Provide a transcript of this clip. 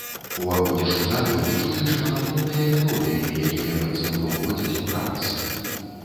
Уваходзіш у залю і чуеш манатонныя мелодыі, якія, быццам бы, уводзяць у транс.